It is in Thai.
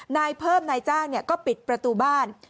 นายเพิ่มนายจ้างก็ปิดประตูบ้าน